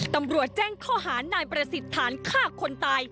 ตำรวจแจ้งข้อหานายประสิทธิ์ฐานฆ่าคนตาย